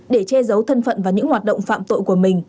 để che giấu thân phận và những hoạt động phạm tội của mình